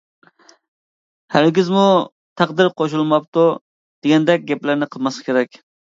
ھەرگىزمۇ، تەقدىر قوشۇلماپتۇ، دېگەندەك گەپلەرنى قىلماسلىق كېرەك.